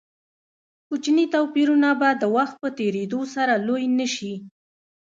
کوچني توپیرونه به د وخت په تېرېدو سره لوی نه شي.